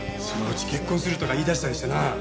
そのうち結婚するとか言い出したりしてな。